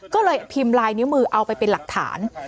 ก็เลยพิมพ์ลายนิ้วมือเอาไปเป็นหลักฐาน